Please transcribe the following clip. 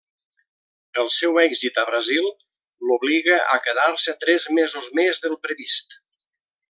El seu èxit a Brasil l'obliga a quedar-se tres mesos més del previst.